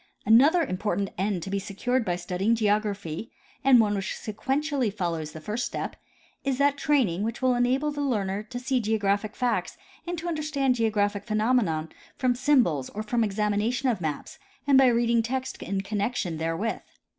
Another important end to be secured by studying geography, and one which sequentially follows the first step, is that training which will enable the learner to see geographic facts and to understand geographic phenomena from symbols or from the examination of maps and by reading text in connection there with.